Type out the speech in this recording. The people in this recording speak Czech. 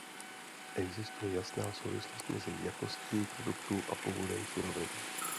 Existuje jasná souvislost mezi jakostí produktů a původem surovin.